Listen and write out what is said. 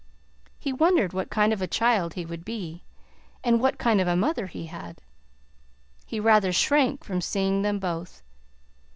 He wondered what kind of a child he would be, and what kind of a mother he had. He rather shrank from seeing them both.